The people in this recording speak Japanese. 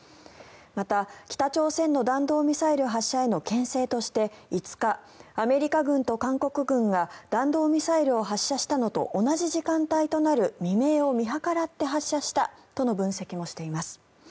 また、北朝鮮の弾道ミサイル発射へのけん制として５日、アメリカ軍と韓国軍が弾道ミサイルを発射したのと同じ時間帯となる未明を見計らって発射したとの分析もしています。